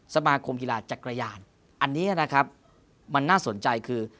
สมาคมกีฬาจักรยานอันนี้นะครับมันน่าสนใจคือ